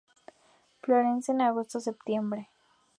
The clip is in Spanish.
Florecen de agosto a septiembre.